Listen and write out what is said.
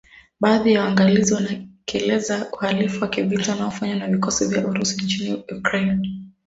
baadhi ya waangalizi wanakielezea kama uhalifu wa kivita unaofanywa na vikosi vya Urusi nchini Ukraine